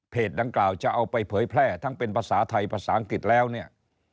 ดังกล่าวจะเอาไปเผยแพร่ทั้งเป็นภาษาไทยภาษาอังกฤษแล้วเนี่ย